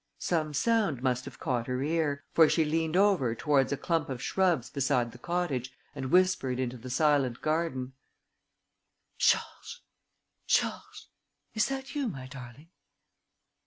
Some sound must have caught her ear, for she leant over towards a clump of shrubs beside the cottage and whispered into the silent garden: "Georges ... Georges ... Is that you, my darling?"